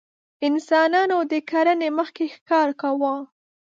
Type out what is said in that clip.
انسانانو د کرنې مخکې ښکار کاوه.